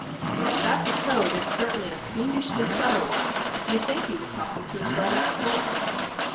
"Well, if that's a code, it's certainly a fiendishly subtle one. You'd think he was talking to his Girl Next Door."